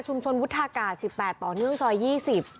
ชุมชนวุฒากาสิบแปดต่อเนื่องซอยยี่สิบ